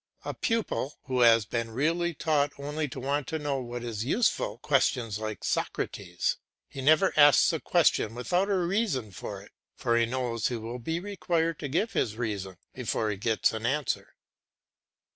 A pupil, who has been really taught only to want to know what is useful, questions like Socrates; he never asks a question without a reason for it, for he knows he will be required to give his reason before he gets an answer.